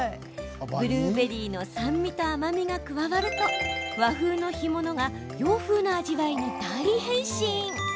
ブルーベリーの酸味と甘みが加わると和風の干物が洋風な味わいに大変身！